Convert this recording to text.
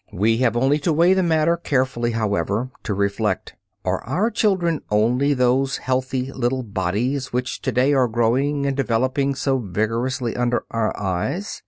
We have only to weigh the matter carefully, however, to reflect: Are our children only those healthy little bodies which to day are growing and developing so vigorously under our eyes?